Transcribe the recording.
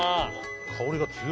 香りが強い。